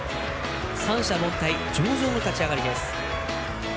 三者凡退、上々の立ち上がり。